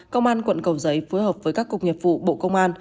công an quận cầu giấy phối hợp với các cục nghiệp vụ bộ công an